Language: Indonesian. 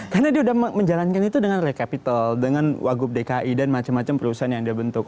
karena dia udah menjalankan itu dengan rai capital dengan wagub dki dan macam macam perusahaan yang dia bentuk